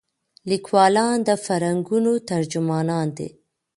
لیکوالان د فکرونو ترجمانان دي.